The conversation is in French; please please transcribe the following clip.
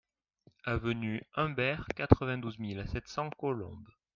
Avenue Humbert, quatre-vingt-douze mille sept cents Colombes